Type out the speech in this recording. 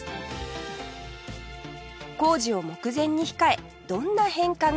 工事を目前に控えどんな変化が？